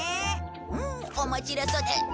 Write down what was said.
ふん面白そうだ。